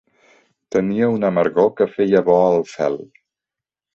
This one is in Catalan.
Tenia una amargor que feia bo el fel.